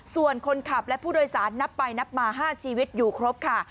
ส่วนคนขับและผู้โดยสารนับไปนับมา๕ชีวิตอยู่ครบค่ะ